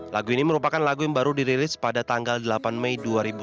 lagu ini merupakan lagu yang baru dirilis pada tanggal delapan mei dua ribu dua puluh